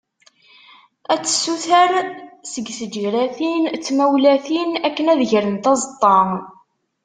Ad tessuter seg tǧiratin d tmawlatin, akken ad grent aẓeṭṭa.